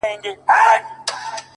• ستا شهپر دي په اسمان کي بریالی وي,